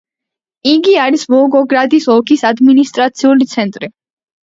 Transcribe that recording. იგი არის ვოლგოგრადის ოლქის ადმინისტრაციული ცენტრი.